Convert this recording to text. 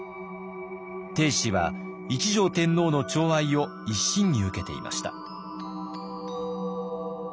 定子は一条天皇のちょう愛を一身に受けていました。